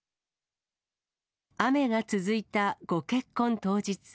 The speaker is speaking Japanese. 雨が続いたご結婚当日。